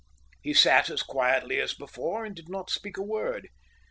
He sat as quietly as before and did not speak a word.